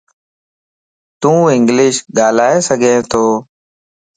تون انگلش ڳالھائي سڳي تو؟